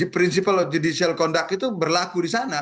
prinsipal judicial conduct itu berlaku di sana